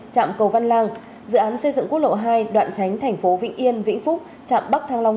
trạm cầu văn lang dự án xây dựng quốc lộ hai đoạn tránh thành phố vĩnh yên vĩnh phúc chạm bắc thăng long